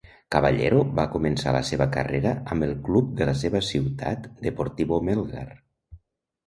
Caballero va començar la seva carrera amb el club de la seva ciutat Deportivo Melgar.